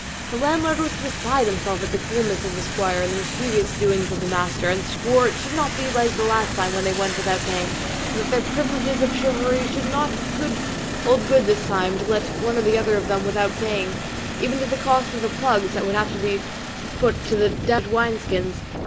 The landlord was beside himself at the coolness of the squire and the mischievous doings of the master, and swore it should not be like the last time when they went without paying; and that their privileges of chivalry should not hold good this time to let one or other of them off without paying, even to the cost of the plugs that would have to be put to the damaged wine skins.